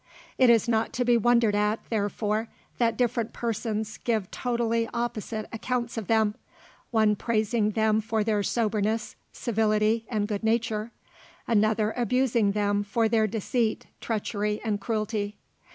It is not to be wondered at, therefore, that different persons give totally opposite accounts of them one praising them for their soberness, civility, and good nature; another abusing them for their deceit, treachery, and cruelty.